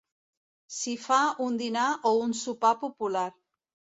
S'hi fa un dinar o un sopar popular.